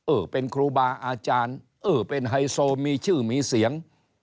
เออเป็นครูบาอาจารย์เออเป็นไฮโซมีชื่อมีเสียง